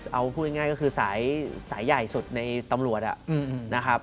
เอาพูดง่ายก็คือสายใหญ่สุดในตำรวจนะครับ